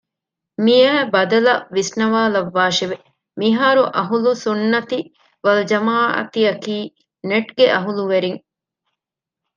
މިއައި ބަދަލަށް ވިސްނަވާލައްވާށެވެ! މިހާރު އަހުލުއްސުންނަތި ވަލްޖަމާޢަތިއަކީ ނެޓްގެ އަހުލުވެރިން